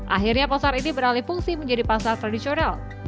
akhirnya pasar ini beralih fungsi menjadi pasar tradisional